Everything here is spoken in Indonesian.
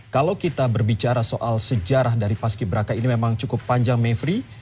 kalau kita berbicara soal sejarah dari paski beraka ini memang cukup panjang mevri